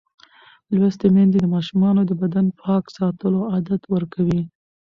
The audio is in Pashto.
لوستې میندې د ماشومانو د بدن پاک ساتلو عادت ورکوي.